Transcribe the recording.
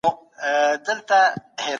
ایا ته اوس لوږه احساسوې؟